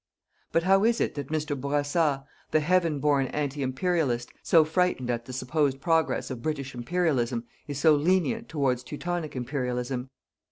But how is it that Mr. Bourassa, the heaven born anti imperialist, so frightened at the supposed progress of British Imperialism, is so lenient towards Teutonic Imperialism?